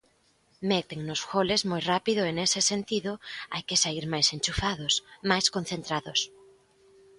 Métennos goles moi rápido e nese sentido, hai que saír máis enchufados, máis concentrados.